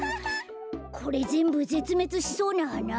これぜんぶぜつめつしそうなはな？